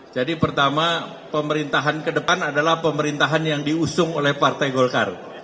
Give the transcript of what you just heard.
jadi pertama pemerintahan ke depan adalah pemerintahan yang diusung oleh partai golkar